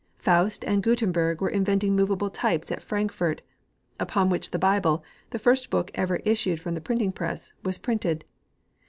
Faust and Gutenberg were inventing movable types at Frankfort, upon which the Bible — the first book ever issued from the printing press — was printed.